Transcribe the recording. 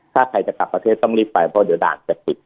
ถ้าใครจะกลับประเทศต้องรีบไปเพราะเดี๋ยวด่านจะปิด